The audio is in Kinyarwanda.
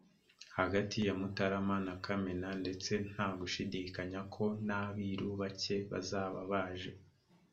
hagati ya mutarama na kamena ndetse nta gushidikanya ko n abiru bake bazaba baje